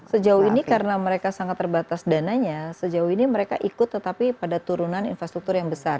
sejauh ini karena mereka sangat terbatas dananya sejauh ini mereka ikut tetapi pada turunan infrastruktur yang besar